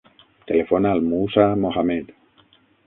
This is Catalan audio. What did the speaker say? Telefona al Moussa Mohamed.